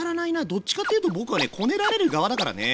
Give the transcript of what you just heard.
どっちかっていうと僕はねこねられる側だからね。